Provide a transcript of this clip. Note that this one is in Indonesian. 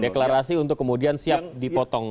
deklarasi untuk kemudian siap dipotong